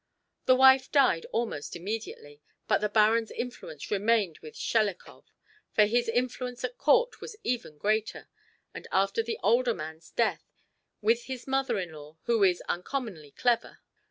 The wife died almost immediately, but the Baron's influence remained with Shelikov for his influence at court was even greater and after the older man's death, with his mother in law, who is uncommonly clever.